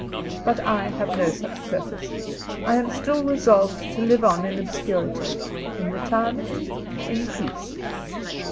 But I have no such purpose; I am still resolved to live on in obscurity, in retirement, in peace.